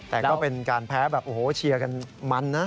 แต่ก็เป็นการแพ้แบบโอ้โหเชียร์กันมันนะ